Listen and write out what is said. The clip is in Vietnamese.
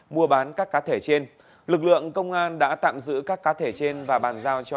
mua bán các cá thể trên lực lượng công an đã tạm giữ các cá thể trên và bàn giao cho